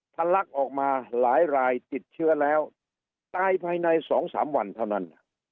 ลักออกมาหลายรายติดเชื้อแล้วตายภายใน๒๓วันเท่านั้น